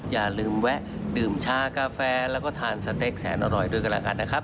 อย่าลืมแวะดื่มชากาแฟแล้วก็ทานสเต็กแสนอร่อยด้วยกันแล้วกันนะครับ